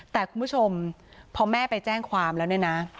แต่คุณผู้ชมพอแม่ไปแจ้งความแล้วเนี่ยนะ